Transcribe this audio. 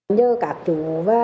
nhớ các chú